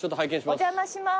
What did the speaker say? お邪魔します。